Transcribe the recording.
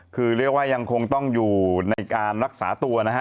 คือเรียกว่ายังคงต้องอยู่ในการรักษาตัวนะฮะ